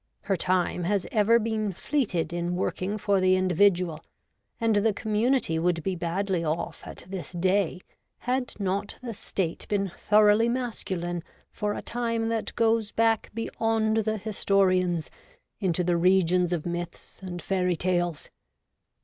Her time has ever been fleeted in working for the individual, and the community would be badly off at this day had not the State been thoroughly masculine for a time that goes back beyond the historians into the regions of myths and fairy tales.